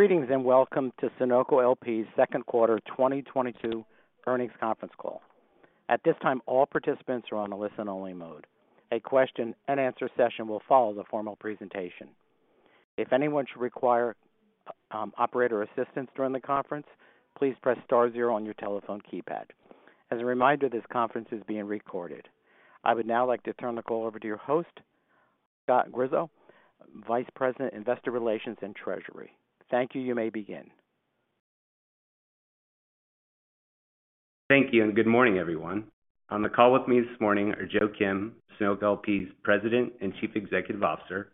Greetings, and welcome to Sunoco LP's second quarter 2022 earnings conference call. At this time, all participants are on a listen-only mode. A question-and-answer session will follow the formal presentation. If anyone should require operator assistance during the conference, please press star zero on your telephone keypad. As a reminder, this conference is being recorded. I would now like to turn the call over to your host, Scott Grischow, Vice President, Investor Relations and Treasury. Thank you. You may begin. Thank you, and good morning, everyone. On the call with me this morning are Joe Kim, Sunoco LP's President and Chief Executive Officer,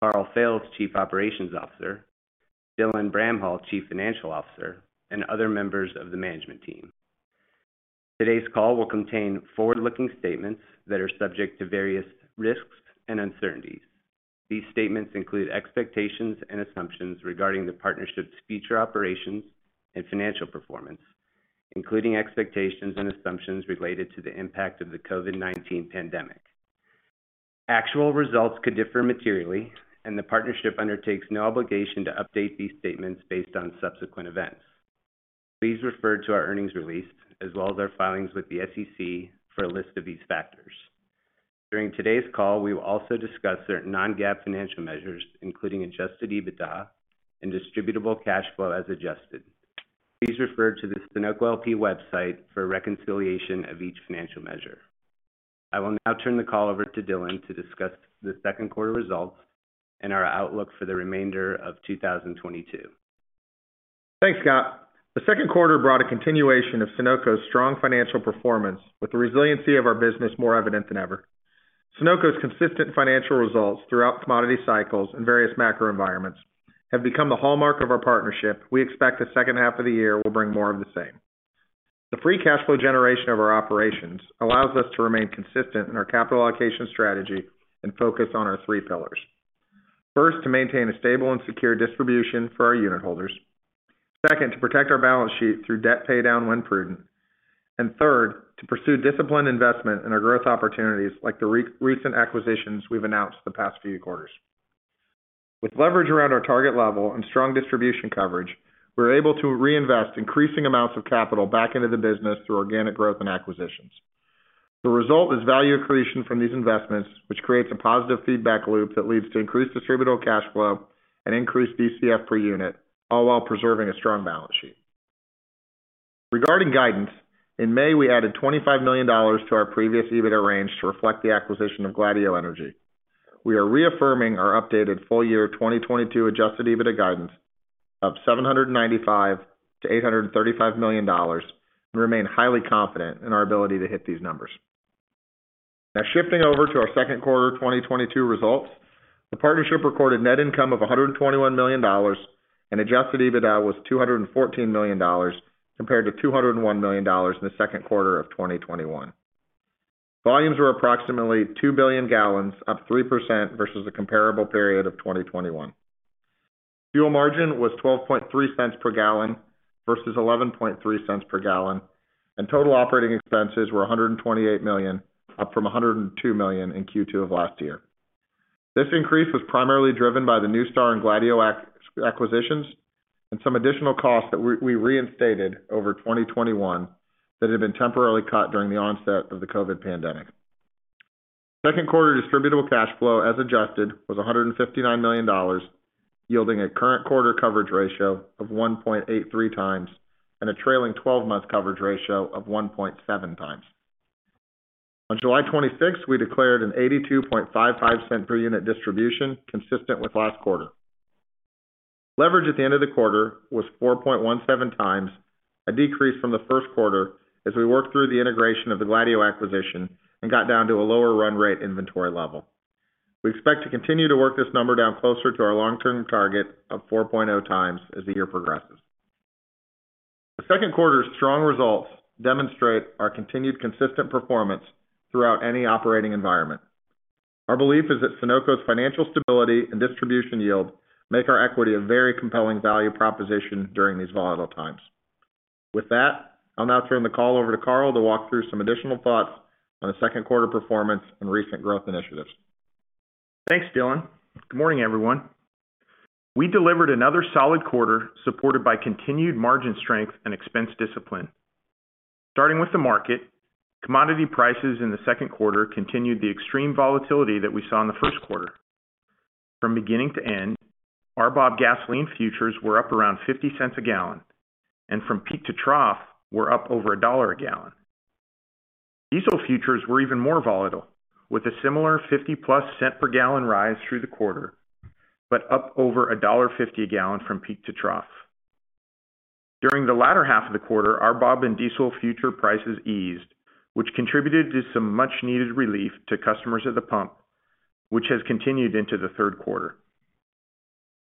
Karl Fails, Chief Operations Officer, Dylan Bramhall, Chief Financial Officer, and other members of the management team. Today's call will contain forward-looking statements that are subject to various risks and uncertainties. These statements include expectations and assumptions regarding the partnership's future operations and financial performance, including expectations and assumptions related to the impact of the COVID-19 pandemic. Actual results could differ materially, and the partnership undertakes no obligation to update these statements based on subsequent events. Please refer to our earnings release as well as our filings with the SEC for a list of these factors. During today's call, we will also discuss certain non-GAAP financial measures, including adjusted EBITDA and distributable cash flow as adjusted. Please refer to the Sunoco LP website for a reconciliation of each financial measure. I will now turn the call over to Dylan to discuss the second quarter results and our outlook for the remainder of 2022. Thanks, Scott. The second quarter brought a continuation of Sunoco's strong financial performance with the resiliency of our business more evident than ever. Sunoco's consistent financial results throughout commodity cycles and various macro environments have become the hallmark of our partnership. We expect the second half of the year will bring more of the same. The free cash flow generation of our operations allows us to remain consistent in our capital allocation strategy and focus on our three pillars. First, to maintain a stable and secure distribution for our unit holders. Second, to protect our balance sheet through debt paydown when prudent. Third, to pursue disciplined investment in our growth opportunities like the recent acquisitions we've announced the past few quarters. With leverage around our target level and strong distribution coverage, we're able to reinvest increasing amounts of capital back into the business through organic growth and acquisitions. The result is value creation from these investments, which creates a positive feedback loop that leads to increased distributable cash flow and increased DCF per unit, all while preserving a strong balance sheet. Regarding guidance, in May, we added $25 million to our previous EBITDA range to reflect the acquisition of Gladieux Energy. We are reaffirming our updated full year 2022 adjusted EBITDA guidance of $795 million-$835 million. We remain highly confident in our ability to hit these numbers. Now shifting over to our second quarter 2022 results. The partnership recorded net income of $121 million, and adjusted EBITDA was $214 million compared to $201 million in the second quarter of 2021. Volumes were approximately 2 billion gallons, up 3% versus the comparable period of 2021. Fuel margin was 12.3 cents per gallon versus 11.3 cents per gallon. Total operating expenses were $128 million, up from $102 million in Q2 of last year. This increase was primarily driven by the NuStar and Gladieux acquisitions and some additional costs that we reinstated over 2021 that had been temporarily cut during the onset of the COVID pandemic. Second quarter distributable cash flow as adjusted was $159 million, yielding a current quarter coverage ratio of 1.83x and a trailing twelve-month coverage ratio of 1.7x. On July 26, we declared an 82.55 cent per unit distribution consistent with last quarter. Leverage at the end of the quarter was 4.17x, a decrease from the first quarter as we worked through the integration of the Gladieux acquisition and got down to a lower run rate inventory level. We expect to continue to work this number down closer to our long-term target of 4.0x as the year progresses. The second quarter's strong results demonstrate our continued consistent performance throughout any operating environment. Our belief is that Sunoco's financial stability and distribution yield make our equity a very compelling value proposition during these volatile times. With that, I'll now turn the call over to Karl to walk through some additional thoughts on the second quarter performance and recent growth initiatives. Thanks, Dylan. Good morning, everyone. We delivered another solid quarter supported by continued margin strength and expense discipline. Starting with the market, commodity prices in the second quarter continued the extreme volatility that we saw in the first quarter. From beginning to end, RBOB gasoline futures were up around $0.50 a gallon, and from peak to trough, were up over $1 a gallon. Diesel futures were even more volatile, with a similar $0.50+ per gallon rise through the quarter, but up over $1.50 a gallon from peak to trough. During the latter half of the quarter, RBOB and diesel futures prices eased, which contributed to some much-needed relief to customers at the pump, which has continued into the third quarter.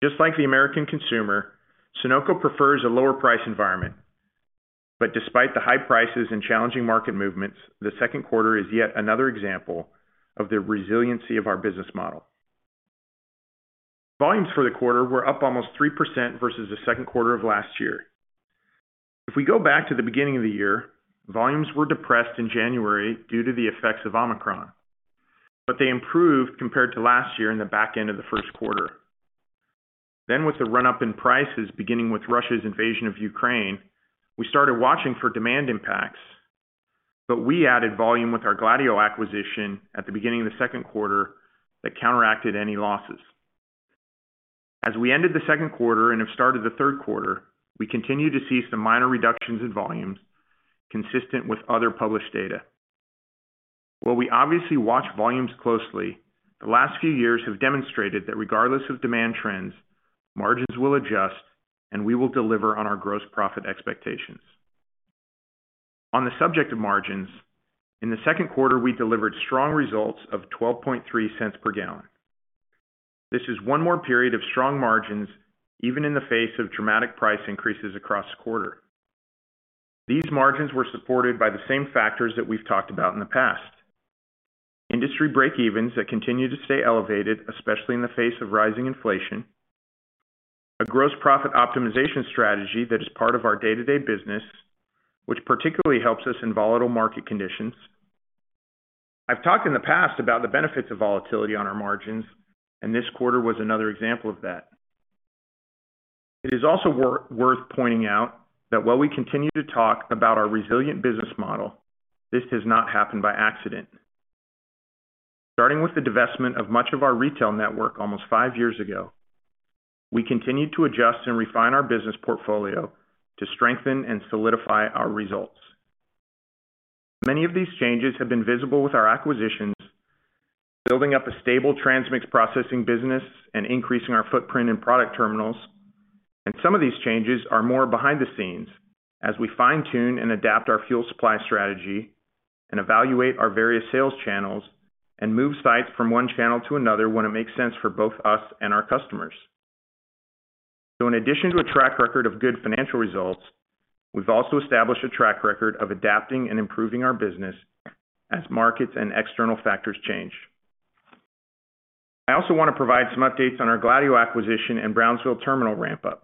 Just like the American consumer, Sunoco prefers a lower price environment. Despite the high prices and challenging market movements, the second quarter is yet another example of the resiliency of our business model. Volumes for the quarter were up almost 3% versus the second quarter of last year. If we go back to the beginning of the year, volumes were depressed in January due to the effects of Omicron, but they improved compared to last year in the back end of the first quarter. With the run-up in prices, beginning with Russia's invasion of Ukraine, we started watching for demand impacts, but we added volume with our Gladieux acquisition at the beginning of the second quarter that counteracted any losses. As we ended the second quarter and have started the third quarter, we continue to see some minor reductions in volumes consistent with other published data. While we obviously watch volumes closely, the last few years have demonstrated that regardless of demand trends, margins will adjust, and we will deliver on our gross profit expectations. On the subject of margins, in the second quarter, we delivered strong results of $0.123 per gallon. This is one more period of strong margins, even in the face of dramatic price increases across the quarter. These margins were supported by the same factors that we've talked about in the past. Industry breakevens that continue to stay elevated, especially in the face of rising inflation. A gross profit optimization strategy that is part of our day-to-day business, which particularly helps us in volatile market conditions. I've talked in the past about the benefits of volatility on our margins, and this quarter was another example of that. It is also worth pointing out that while we continue to talk about our resilient business model, this does not happen by accident. Starting with the divestment of much of our retail network almost five years ago, we continued to adjust and refine our business portfolio to strengthen and solidify our results. Many of these changes have been visible with our acquisitions, building up a stable transmix processing business and increasing our footprint in product terminals. Some of these changes are more behind the scenes as we fine-tune and adapt our fuel supply strategy and evaluate our various sales channels and move sites from one channel to another when it makes sense for both us and our customers. In addition to a track record of good financial results, we've also established a track record of adapting and improving our business as markets and external factors change. I also wanna provide some updates on our Gladieux acquisition and Brownsville terminal ramp-up.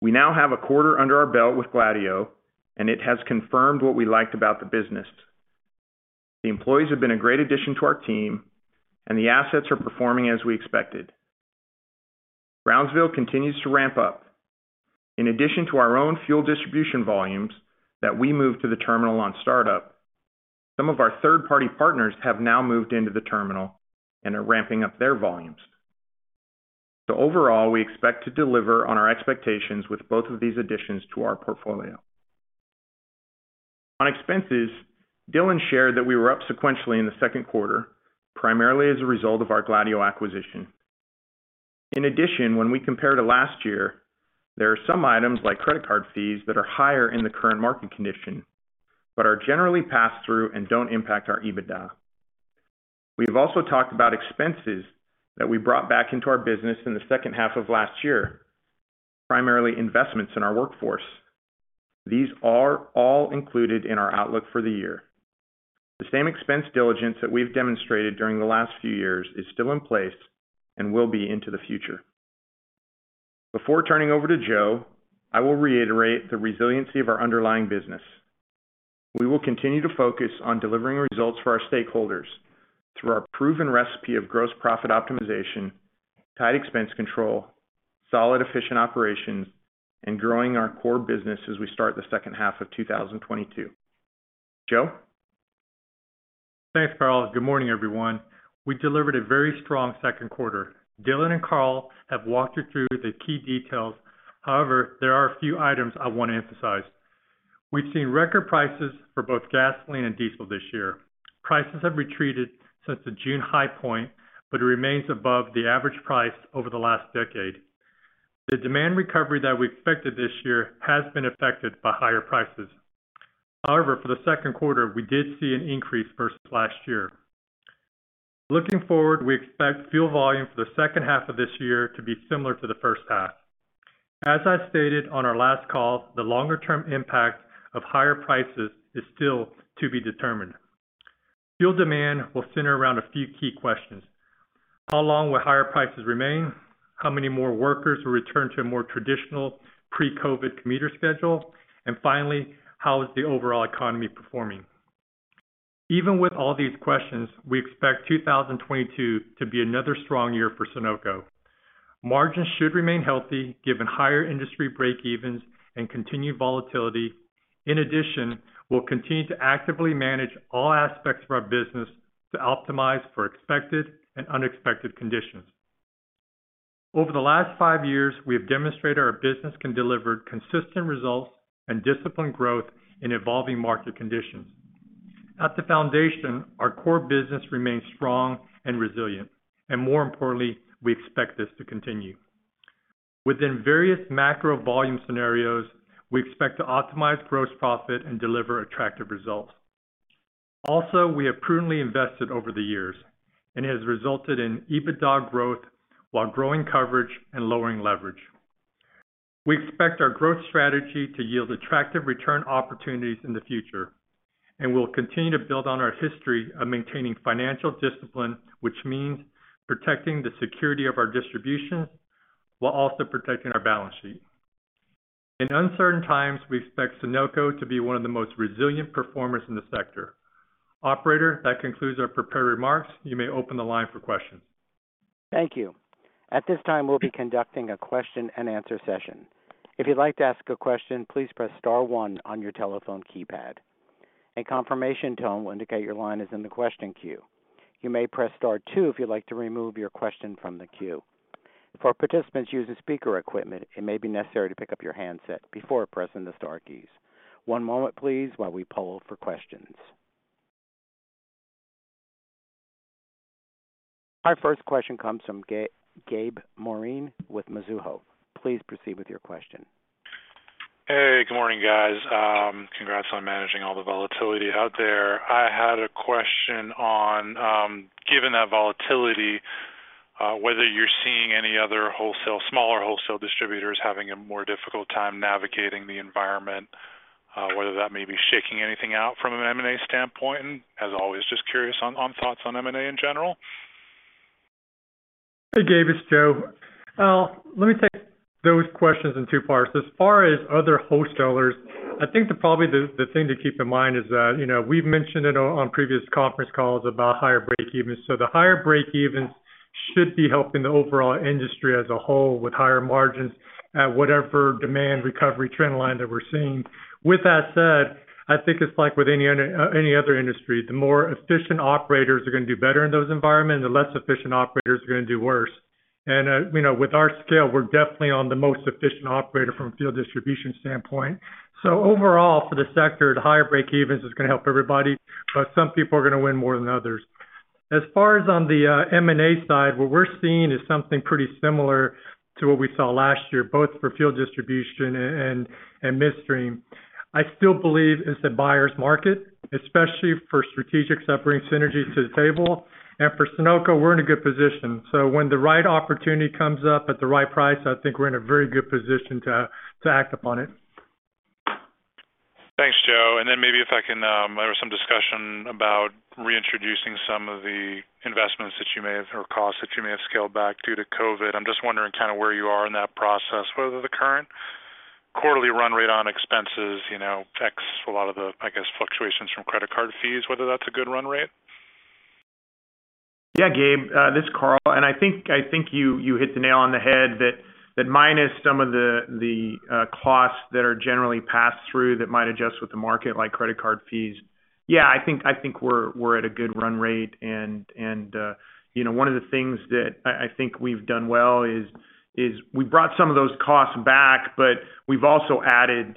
We now have a quarter under our belt with Gladieux, and it has confirmed what we liked about the business. The employees have been a great addition to our team, and the assets are performing as we expected. Brownsville continues to ramp up. In addition to our own fuel distribution volumes that we moved to the terminal on startup, some of our third-party partners have now moved into the terminal and are ramping up their volumes. Overall, we expect to deliver on our expectations with both of these additions to our portfolio. On expenses, Dylan shared that we were up sequentially in the second quarter, primarily as a result of our Gladieux acquisition. In addition, when we compare to last year, there are some items like credit card fees that are higher in the current market condition, but are generally passed through and don't impact our EBITDA. We have also talked about expenses that we brought back into our business in the second half of last year, primarily investments in our workforce. These are all included in our outlook for the year. The same expense diligence that we've demonstrated during the last few years is still in place and will be into the future. Before turning over to Joe, I will reiterate the resiliency of our underlying business. We will continue to focus on delivering results for our stakeholders through our proven recipe of gross profit optimization, tight expense control, solid efficient operations, and growing our core business as we start the second half of 2022. Joe? Thanks, Karl. Good morning, everyone. We delivered a very strong second quarter. Dylan and Karl have walked you through the key details. However, there are a few items I wanna emphasize. We've seen record prices for both gasoline and diesel this year. Prices have retreated since the June high point, but it remains above the average price over the last decade. The demand recovery that we expected this year has been affected by higher prices. However, for the second quarter, we did see an increase versus last year. Looking forward, we expect fuel volume for the second half of this year to be similar to the first half. As I stated on our last call, the longer-term impact of higher prices is still to be determined. Fuel demand will center around a few key questions. How long will higher prices remain? How many more workers will return to a more traditional pre-COVID commuter schedule? Finally, how is the overall economy performing? Even with all these questions, we expect 2022 to be another strong year for Sunoco. Margins should remain healthy, given higher industry break-evens and continued volatility. In addition, we'll continue to actively manage all aspects of our business to optimize for expected and unexpected conditions. Over the last five years, we have demonstrated our business can deliver consistent results and disciplined growth in evolving market conditions. At the foundation, our core business remains strong and resilient, and more importantly, we expect this to continue. Within various macro volume scenarios, we expect to optimize gross profit and deliver attractive results. Also, we have prudently invested over the years, and it has resulted in EBITDA growth while growing coverage and lowering leverage. We expect our growth strategy to yield attractive return opportunities in the future. We'll continue to build on our history of maintaining financial discipline, which means protecting the security of our distribution while also protecting our balance sheet. In uncertain times, we expect Sunoco to be one of the most resilient performers in the sector. Operator, that concludes our prepared remarks. You may open the line for questions. Thank you. At this time, we'll be conducting a question-and-answer session. If you'd like to ask a question, please press star one on your telephone keypad. A confirmation tone will indicate your line is in the question queue. You may press star two if you'd like to remove your question from the queue. For participants using speaker equipment, it may be necessary to pick up your handset before pressing the star keys. One moment please, while we poll for questions. Our first question comes from Gabe Moreen with Mizuho. Please proceed with your question. Hey, good morning, guys. Congrats on managing all the volatility out there. I had a question on, given that volatility, whether you're seeing any other smaller wholesale distributors having a more difficult time navigating the environment, whether that may be shaking anything out from an M&A standpoint. As always, just curious on thoughts on M&A in general. Hey, Gabe, it's Joe. Let me take those questions in two parts. As far as other wholesalers, I think probably the thing to keep in mind is that, you know, we've mentioned it on previous conference calls about higher break-evens. The higher break-evens should be helping the overall industry as a whole with higher margins at whatever demand recovery trend line that we're seeing. With that said, I think it's like with any other industry, the more efficient operators are gonna do better in those environments, the less efficient operators are gonna do worse. You know, with our scale, we're definitely on the most efficient operator from a fuel distribution standpoint. Overall, for the sector, the higher break-evens is gonna help everybody, but some people are gonna win more than others. As far as on the M&A side, what we're seeing is something pretty similar to what we saw last year, both for fuel distribution and midstream. I still believe it's a buyer's market, especially for strategic offering synergies to the table. For Sunoco, we're in a good position. When the right opportunity comes up at the right price, I think we're in a very good position to act upon it. Thanks, Joe. Maybe if I can, there was some discussion about reintroducing some of the investments that you may have or costs that you may have scaled back due to COVID. I'm just wondering kind of where you are in that process, whether the current quarterly run rate on expenses, you know, takes a lot of the, I guess, fluctuations from credit card fees, whether that's a good run rate. Yeah, Gabe, this is Karl Fails. I think you hit the nail on the head that minus some of the costs that are generally passed through that might adjust with the market like credit card fees. Yeah, I think we're at a good run rate and you know, one of the things that I think we've done well is we brought some of those costs back, but we've also added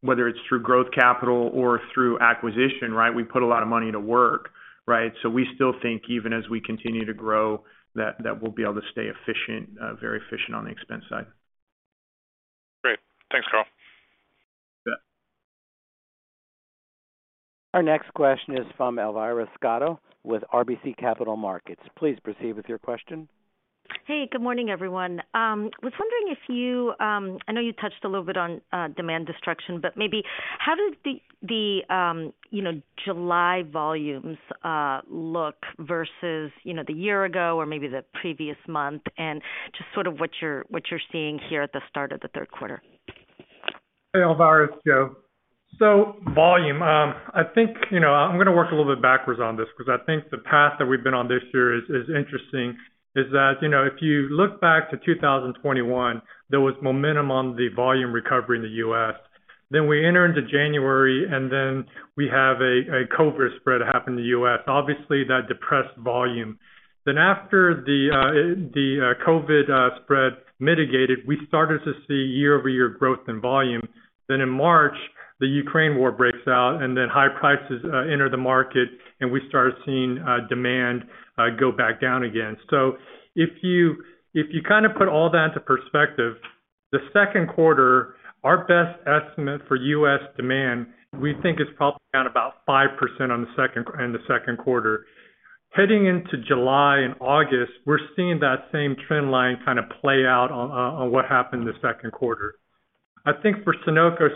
whether it's through growth capital or through acquisition, right? We put a lot of money to work, right? We still think even as we continue to grow, that we'll be able to stay efficient, very efficient on the expense side. Great. Thanks, Karl. Yeah. Our next question is from Elvira Scotto with RBC Capital Markets. Please proceed with your question. Hey, good morning, everyone. Was wondering if you, I know you touched a little bit on demand destruction, but maybe how does the you know July volumes look versus you know the year ago or maybe the previous month, and just sort of what you're seeing here at the start of the third quarter? Hey, Elvira Scotto, it's Joe Kim. Volume, I think, you know, I'm gonna work a little bit backwards on this 'cause I think the path that we've been on this year is interesting, that, you know, if you look back to 2021, there was momentum on the volume recovery in the U.S. We enter into January, and we have a COVID spread happen in the U.S. Obviously, that depressed volume. After the COVID spread mitigated, we started to see year-over-year growth in volume. In March, the Ukraine war breaks out, and high prices enter the market, and we started seeing demand go back down again. If you kind of put all that into perspective, the second quarter, our best estimate for U.S. demand, we think is probably down about 5% in the second quarter. Heading into July and August, we're seeing that same trend line kinda play out on what happened in the second quarter. I think for Sunoco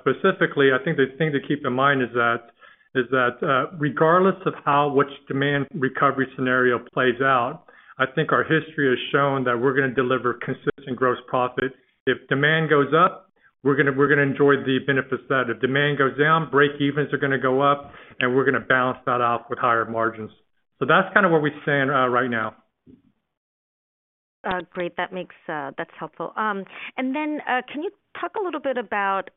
specifically, I think the thing to keep in mind is that, regardless of which demand recovery scenario plays out, I think our history has shown that we're gonna deliver consistent gross profit. If demand goes up, we're gonna enjoy the benefits of that. If demand goes down, breakevens are gonna go up, and we're gonna balance that out with higher margins. That's kind of where we stand right now. Great. That makes. That's helpful. Can you talk a little bit about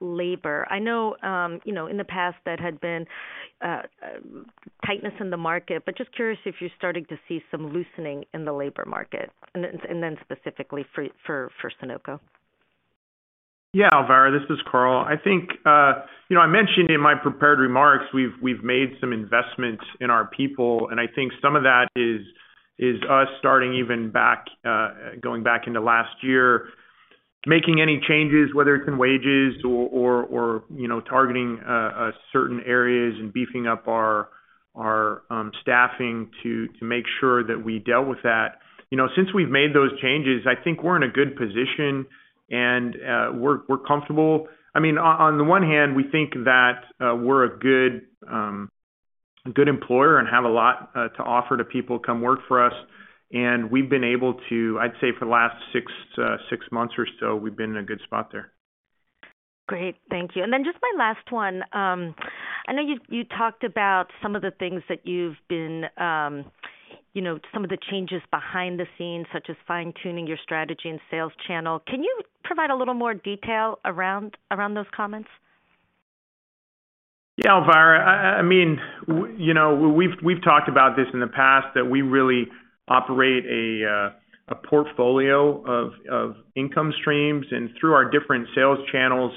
labor? I know, you know, in the past that had been tightness in the market, but just curious if you're starting to see some loosening in the labor market and then specifically for Sunoco. Yeah, Elvira, this is Karl. I think you know I mentioned in my prepared remarks we've made some investments in our people, and I think some of that is us starting even back going back into last year, making any changes, whether it's in wages or you know targeting certain areas and beefing up our staffing to make sure that we dealt with that. You know, since we've made those changes, I think we're in a good position, and we're comfortable. I mean, on the one hand, we think that we're a good employer and have a lot to offer to people come work for us, and we've been able to, I'd say for the last six months or so, we've been in a good spot there. Great. Thank you. Just my last one. I know you talked about some of the things that you've been, you know, some of the changes behind the scenes, such as fine-tuning your strategy and sales channel. Can you provide a little more detail around those comments? Yeah, Elvira. I mean, you know, we've talked about this in the past, that we really operate a portfolio of income streams. Through our different sales channels,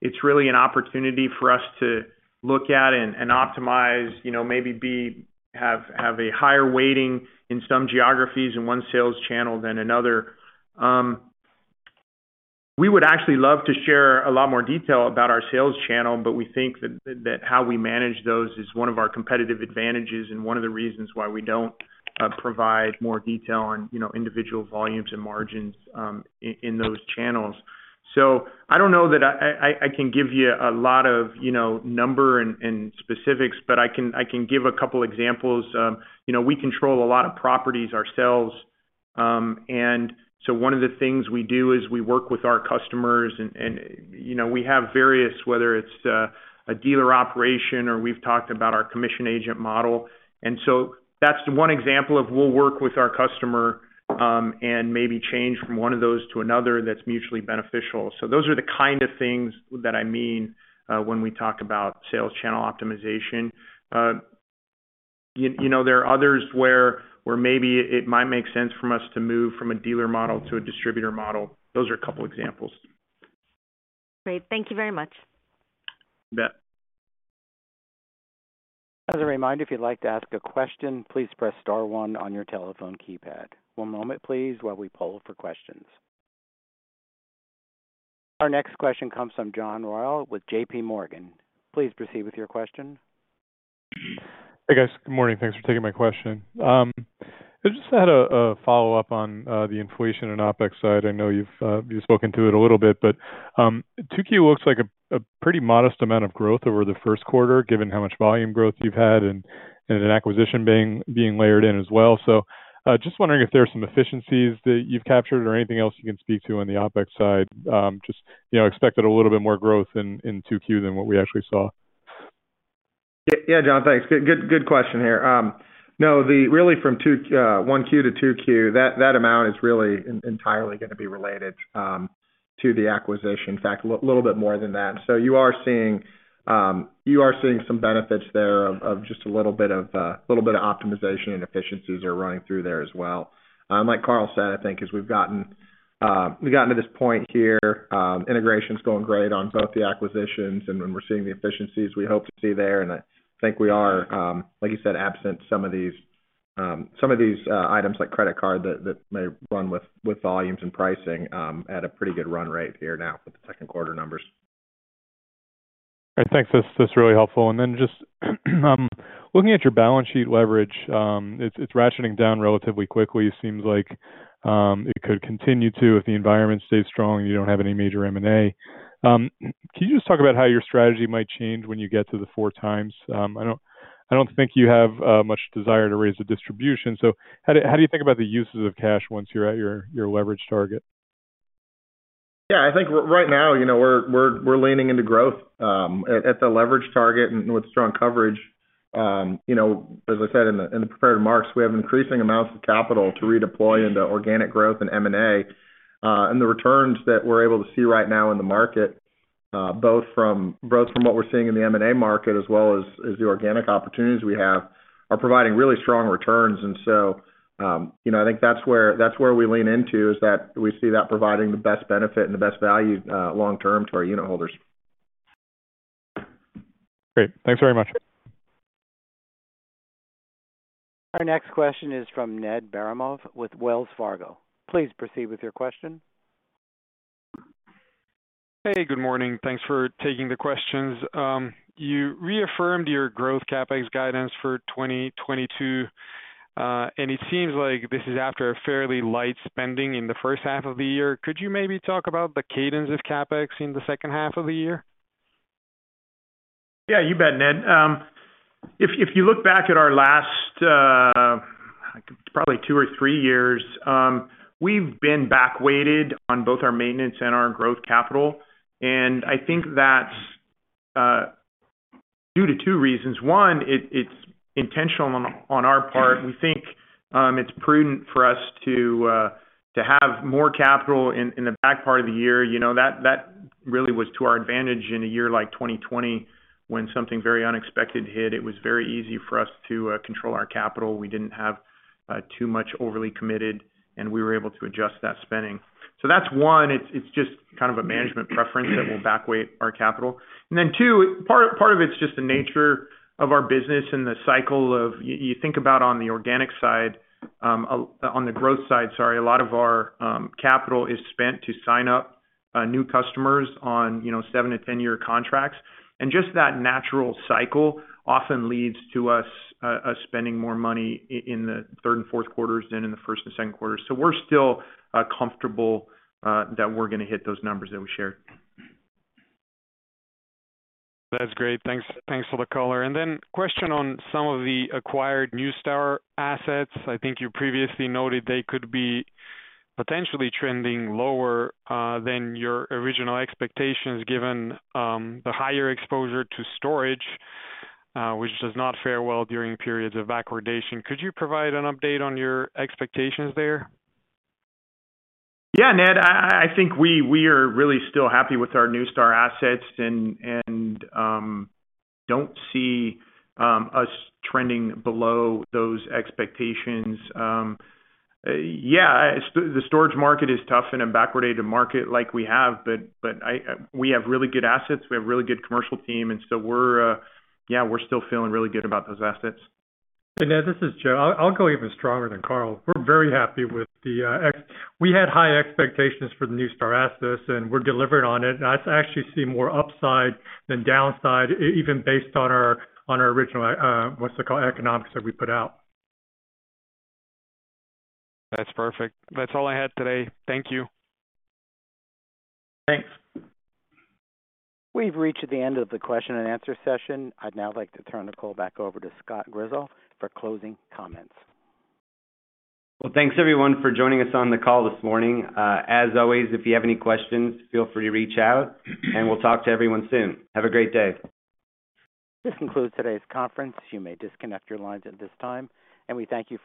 it's really an opportunity for us to look at and optimize, you know, maybe have a higher weighting in some geographies in one sales channel than another. We would actually love to share a lot more detail about our sales channel, but we think that how we manage those is one of our competitive advantages and one of the reasons why we don't provide more detail on, you know, individual volumes and margins in those channels. I don't know that I can give you a lot of, you know, number and specifics, but I can give a couple examples. You know, we control a lot of properties ourselves, and one of the things we do is we work with our customers and, you know, we have various, whether it's a dealer operation or we've talked about our commission agent model. That's one example of we'll work with our customer, and maybe change from one of those to another that's mutually beneficial. Those are the kind of things that I mean when we talk about sales channel optimization. You know, there are others where maybe it might make sense for us to move from a dealer model to a distributor model. Those are a couple examples. Great. Thank you very much. You bet. As a reminder, if you'd like to ask a question, please press star one on your telephone keypad. One moment, please, while we poll for questions. Our next question comes from John Royall with JPMorgan. Please proceed with your question. Hey, guys. Good morning. Thanks for taking my question. I just had a follow-up on the inflation and OpEx side. I know you've spoken to it a little bit, but 2Q looks like a pretty modest amount of growth over the first quarter, given how much volume growth you've had and an acquisition being layered in as well. Just wondering if there are some efficiencies that you've captured or anything else you can speak to on the OpEx side. Just, you know, expected a little bit more growth in 2Q than what we actually saw. Yeah, John, thanks. Good question here. No, really from 1Q to 2Q, that amount is really entirely gonna be related to the acquisition. In fact, a little bit more than that. You are seeing some benefits there of just a little bit of optimization and efficiencies running through there as well. Like Karl said, I think as we've gotten to this point here, integration's going great on both the acquisitions and we're seeing the efficiencies we hope to see there. I think we are, like you said, absent some of these items like credit card that may run with volumes and pricing, at a pretty good run rate here now with the second quarter numbers. All right. Thanks. That's really helpful. Just looking at your balance sheet leverage, it's ratcheting down relatively quickly. It seems like it could continue to if the environment stays strong and you don't have any major M&A. Can you just talk about how your strategy might change when you get to the four times? I don't think you have much desire to raise the distribution. How do you think about the uses of cash once you're at your leverage target? Yeah. I think right now, you know, we're leaning into growth at the leverage target and with strong coverage. You know, as I said in the prepared remarks, we have increasing amounts of capital to redeploy into organic growth and M&A. The returns that we're able to see right now in the market, both from what we're seeing in the M&A market as well as the organic opportunities we have, are providing really strong returns. I think that's where we lean into, is that we see that providing the best benefit and the best value long term to our unitholders. Great. Thanks very much. Our next question is from Ned Baramov with Wells Fargo. Please proceed with your question. Hey, good morning. Thanks for taking the questions. You reaffirmed your growth CapEx guidance for 2022, and it seems like this is after a fairly light spending in the first half of the year. Could you maybe talk about the cadence of CapEx in the second half of the year? Yeah, you bet, Ned. If you look back at our last probably two or three years, we've been back weighted on both our maintenance and our growth capital, and I think that's due to two reasons. One, it's intentional on our part. We think it's prudent for us to have more capital in the back part of the year. You know, that really was to our advantage in a year like 2020 when something very unexpected hit. It was very easy for us to control our capital. We didn't have too much overly committed, and we were able to adjust that spending. That's one, it's just kind of a management preference that we'll back weight our capital. Then two, part of it's just the nature of our business and the cycle of. You think about on the growth side, sorry, a lot of our capital is spent to sign up new customers on, you know, 7-10 year contracts. Just that natural cycle often leads to us spending more money in the third and fourth quarters than in the first and second quarters. We're still comfortable that we're gonna hit those numbers that we shared. That's great. Thanks. Thanks for the color. Question on some of the acquired NuStar assets. I think you previously noted they could be potentially trending lower than your original expectations, given the higher exposure to storage, which does not fare well during periods of backwardation. Could you provide an update on your expectations there? Yeah, Ned Baramov. I think we are really still happy with our NuStar assets and don't see us trending below those expectations. Yeah, the storage market is tough in a backwardated market like we have, but we have really good assets. We have really good commercial team, and so, yeah, we're still feeling really good about those assets. Ned, this is Joe. I'll go even stronger than Karl. We're very happy with them. We had high expectations for the NuStar assets, and we've delivered on it. I actually see more upside than downside even based on our original economics that we put out. That's perfect. That's all I had today. Thank you. Thanks. We've reached the end of the question and answer session. I'd now like to turn the call back over to Scott Grischow for closing comments. Well, thanks everyone for joining us on the call this morning. As always, if you have any questions, feel free to reach out, and we'll talk to everyone soon. Have a great day. This concludes today's conference. You may disconnect your lines at this time, and we thank you for your participation.